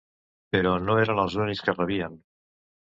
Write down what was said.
Però no eren els únics que rebien.